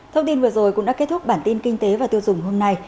thông tin vừa rồi cũng đã kết thúc bản tin kinh tế và tiêu dùng hôm nay